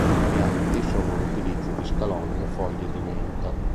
Varianti sono l'utilizzo di scalogno e foglie di menta.